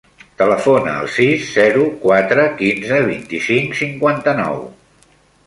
Telefona al sis, zero, quatre, quinze, vint-i-cinc, cinquanta-nou.